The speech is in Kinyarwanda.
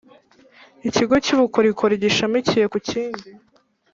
Ikigo cy ubukorikori gishamikiye ku kindi